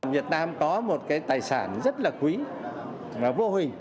việt nam có một cái tài sản rất là quý và vô hình